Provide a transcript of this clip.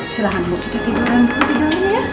silahkan bu kita tiduran dulu